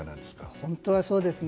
本当は、そうですね。